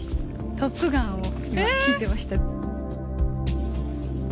トップガンを今、聴いていました。